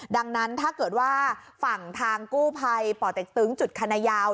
ดังนั้นถ้าเกิดว่าฝั่งทางกู้ภัยป่อเต็กตึงจุดคณะยาว